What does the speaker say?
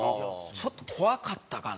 ちょっと怖かったかな。